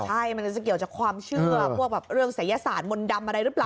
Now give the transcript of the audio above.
ใช่มันจะเกี่ยวจากความเชื่อพวกแบบเรื่องศัยศาสตร์มนต์ดำอะไรหรือเปล่า